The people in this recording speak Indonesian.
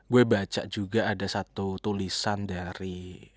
gue baca juga ada satu tulisan dari